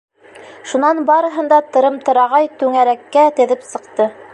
Шунан барыһын да тырым-тырағай түңәрәккә теҙеп сыҡты.